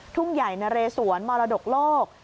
ทุ่งใหญ่นะเรสวนมรดกโลก